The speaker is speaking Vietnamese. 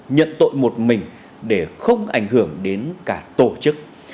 nhận tội một mình để không ảnh hưởng đến cả tổ chức